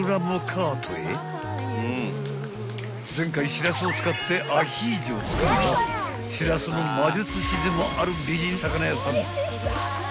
［前回しらすを使ってアヒージョを作るなどしらすの魔術師でもある美人魚屋さん］